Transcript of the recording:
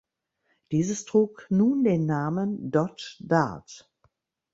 Dieses trug nun den Namen Dodge Dart.